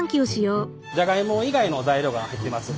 じゃがいも以外の材料が入ってます。